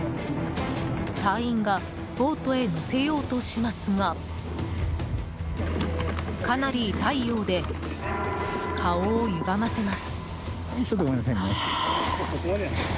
隊員がボートへ乗せようとしますがかなり痛いようで顔をゆがませます。